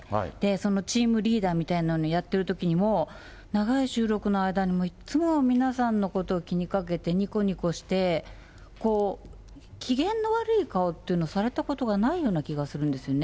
そのチームリーダーみたいなのをやっているときにも、長い収録の間にもいっつも皆さんのことを気にかけてにこにこして、機嫌の悪い顔っていうのをされたことがないような気がするんですよね。